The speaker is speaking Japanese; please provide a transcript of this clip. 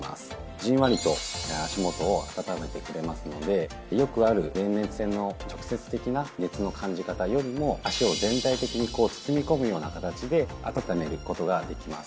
じんわりと足元を温めてくれますので、よくある電熱線の直接的な熱の感じ方よりも、足を全体的に包み込むような形で温めることができます。